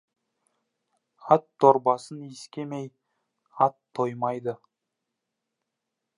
Атдорбасын иіскемей, ат тоймайды.